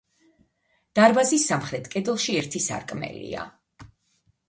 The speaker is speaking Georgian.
დარბაზის სამხრეთ კედელში ერთი სარკმელია.